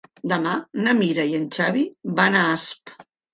Demà na Mira i en Xavi van a Asp.